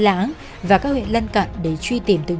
lã và các huyện lân cận để truy tìm tương